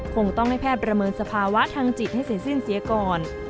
คงต้องให้แพทย์ประเมินสภาวะทางจิตให้เสร็จสิ้นเสียก่อน